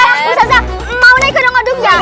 eh ustazah mau naik ke nongodung ya